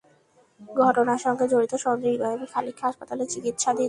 ঘটনার সঙ্গে জড়িত সন্দেহে ইব্রাহিম খলিলকে হাসপাতালে চিকিত্সাধীন অবস্থায় আটক করা হয়েছে।